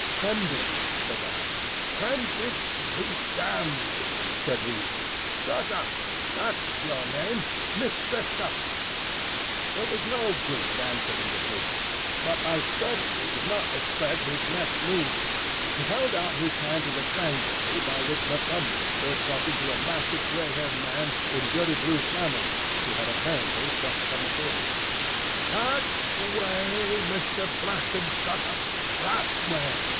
"Prendick," said I. "Prendick be damned!" said he. "Shut up,—that's your name. Mister Shut up." It was no good answering the brute; but I certainly did not expect his next move. He held out his hand to the gangway by which Montgomery stood talking to a massive grey haired man in dirty blue flannels, who had apparently just come aboard. "That way, Mister Blasted Shut up! that way!"